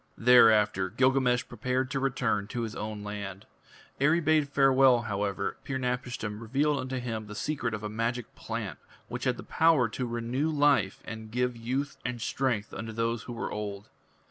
Thereafter Gilgamesh prepared to return to his own land. Ere he bade farewell, however, Pir napishtim revealed unto him the secret of a magic plant which had power to renew life and give youth and strength unto those who were old.